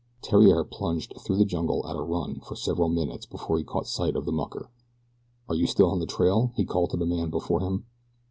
Theriere plunged through the jungle at a run for several minutes before he caught sight of the mucker. "Are you still on the trail?" he called to the man before him.